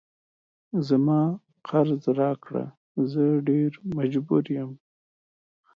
زما قرض راکړه زه ډیر مجبور یم